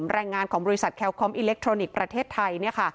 แรงงานของบริษัทแคลคอมอิเล็กทรอนิกส์ประเทศไทย